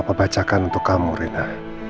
si buruk rupa